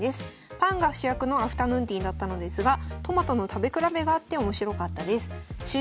パンが主役のアフタヌーンティーだったのですがトマトの食べ比べがあって面白かったです。